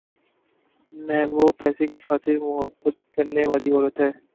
وہ پیسے کی خاطر مُحبت کرنے والی عورت ہے۔`